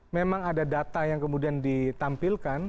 memang ada data yang kemudian ditampilkan